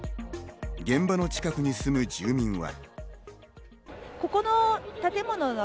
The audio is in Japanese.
現場の近くに住む住民は。